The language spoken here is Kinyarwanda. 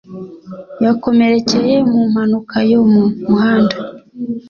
Yakomerekeye mu mpanuka yo mu muhanda.